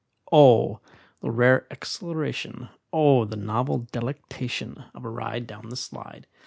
Oh, the rare exhilaration, Oh, the novel delectation Of a ride down the slide!